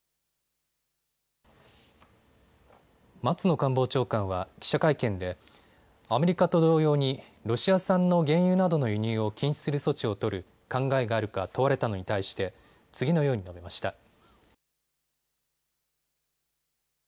松野官房長官は記者会見でアメリカと同様にロシア産の原油などの輸入を禁止する措置を取る考えがあるか問われたのに対して次のように述べました。